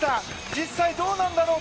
実際、どうなんだろう。